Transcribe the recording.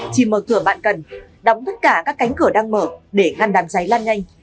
chỉ mở cửa bạn cần đóng tất cả các cánh cửa đang mở để ngăn đám cháy lan nhanh